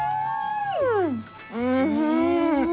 うん！